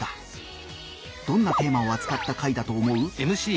どんなテーマをあつかった回だと思う？